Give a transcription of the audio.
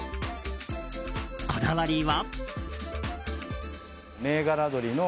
こだわりは。